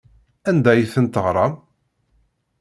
Anda ay ten-teɣram?